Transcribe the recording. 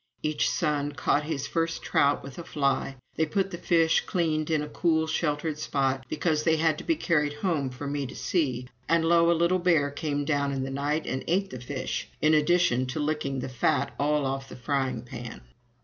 Each son caught his first trout with a fly. They put the fish, cleaned, in a cool sheltered spot, because they had to be carried home for me to see; and lo! a little bear came down in the night and ate the fish, in addition to licking the fat all off the frying pan.